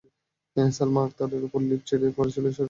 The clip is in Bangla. সালমা আক্তারের ওপর লিফট ছিঁড়ে পড়েছিল, শ্বাস বন্ধ হয়ে তিনি মারা জান।